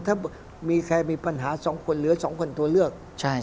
ถ้ามีใครมีปัญหา๒คนเหลือ๒คนตัวเลือก